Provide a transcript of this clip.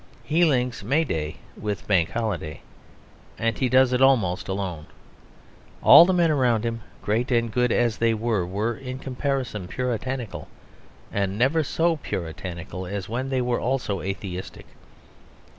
He links May Day with Bank Holiday, and he does it almost alone. All the men around him, great and good as they were, were in comparison puritanical, and never so puritanical as when they were also atheistic.